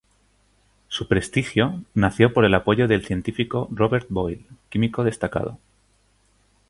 Su prestigio nació por el apoyo del científico Robert Boyle químico destacado.